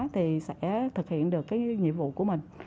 thì sẽ thực hiện được cái nhiệm vụ của mình